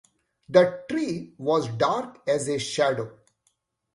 The tree was dark as a shadow.